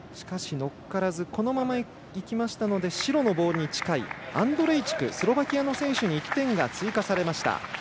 乗っからずにいきましたので白のボールに近いアンドレイチクスロバキアの選手に１点が追加されました。